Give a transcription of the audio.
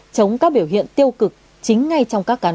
chống các biểu hiện tiêu cực chính ngay trong các cơ quan